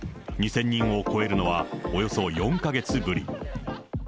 ２０００人を超えるのは、およそ４か月ぶり。